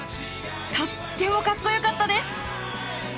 とってもかっこよかったです！